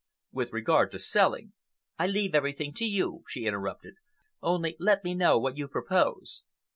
With regard to selling—" "I leave everything to you," she interrupted, "only let me know what you propose."